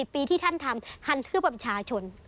๗๐ปีที่ท่านทำฮันเพื่อประปับชาชน